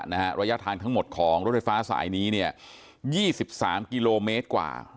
ระยะทางทั้งหมดของรถไฟฟ้าสายนี้เนี่ย๒๓กิโลเมตรกว่า